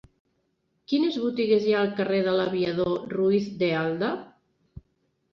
Quines botigues hi ha al carrer de l'Aviador Ruiz de Alda?